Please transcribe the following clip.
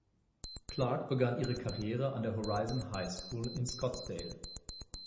Clark begann ihre Karriere an der Horizon High School in Scottsdale.